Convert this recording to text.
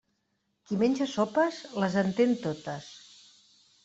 Qui menja sopes, les entén totes.